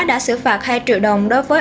đã xử phạt hai triệu đồng đối với